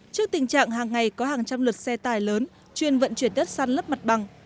trước tình trạng hàng ngày có hàng trăm lượt xe tài lớn chuyên vận chuyển đất săn lấp mặt bằng